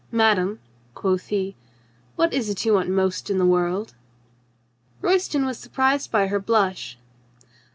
"Madame," quoth he, "what is't you want most in the world?" Royston was surprised by her blush.